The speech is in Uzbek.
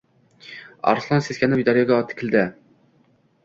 Arslon seskanib daryoga tikildi.